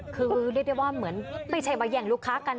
คือเรียกได้ว่าเหมือนไม่ใช่มาแย่งลูกค้ากัน